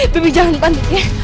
bibi jangan panik ya